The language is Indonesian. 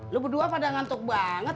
lu berdua pada ngantuk banget